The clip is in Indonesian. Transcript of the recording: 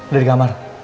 lagi di kamar